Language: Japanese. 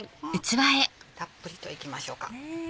たっぷりといきましょうか。